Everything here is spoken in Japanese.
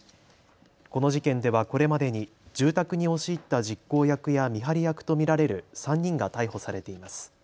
この事件ではこれまでに住宅に押し入った実行役や見張り役と見られる３人が逮捕されています。